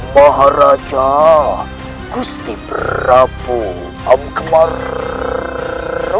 maharaja gusti prabu amuk maluku